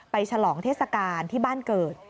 ฉลองเทศกาลที่บ้านเกิด